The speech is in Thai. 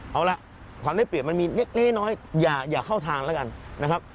เอาล่ะความได้เปลือกมันมีนิดนิ้นน้อยอย่าเข้าทางแล้วกันนะครับ